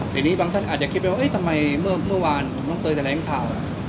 ทีนี้บางท่านอาจจะคิดไปว่าทำไมเมื่อวานน้องเตยแถลงข่าว